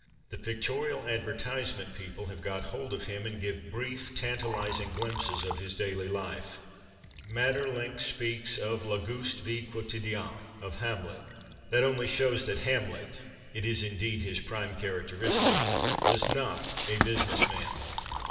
The pictorial advertisement people have got hold of him and give brief, tantalizing glimpses of his daily life. Maeterlinck speaks of " Tauguste vie quotidicnne " of Hamlet. That only shows that Hamlet (it is indeed his prime characteristic) was not a business man.